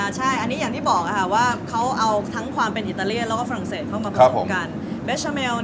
ใช่อันนี้อย่างที่บอกว่าเขาเอาทั้งความเป็นอิตาเลียนแล้วก็ฝรั่งเศสเข้ามาผสมกัน